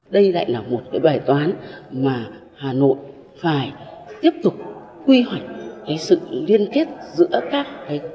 đây lại là một cái bài toán mà hà nội phải tiếp tục quy hoạch cái sự liên kết giữa các cái